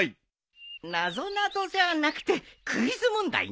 なぞなぞじゃなくてクイズ問題ね。